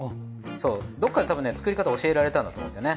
そうどっかでたぶんね作り方教えられたんだと思うんですよね。